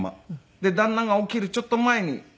で旦那が起きるちょっと前に。